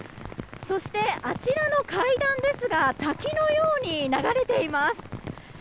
そして、あちらの階段ですが滝のように流れています。